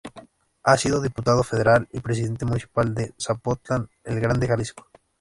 Ha sido diputado federal y presidente municipal de Zapotlán el Grande, Jalisco.